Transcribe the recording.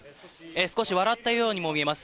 少し笑ったようにも見えます。